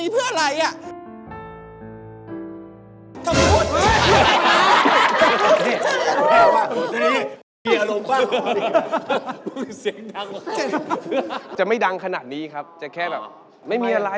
เป็นโทรศัพท์กดทำไมกดไลก์เขาทำไมอะ